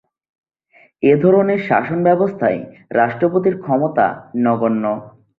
এধরনের শাসন ব্যবস্থায় রাষ্ট্রপতির ক্ষমতা নগণ্য।